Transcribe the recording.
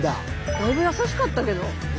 だいぶ優しかったけど。